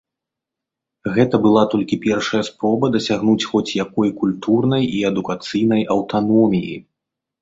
Гэта была толькі першая спроба дасягнуць хоць якой культурнай і адукацыйнай аўтаноміі.